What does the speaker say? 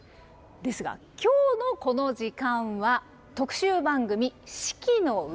ですが今日のこの時間は特集番組「四季のうた」。